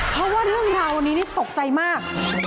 เพราะว่าเรื่องราววันนี้นี่ตกใจมาก